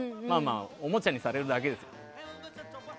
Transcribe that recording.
おもちゃにされるだけですよ。